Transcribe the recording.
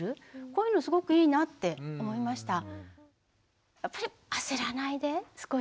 こういうのすごくいいなって思いました。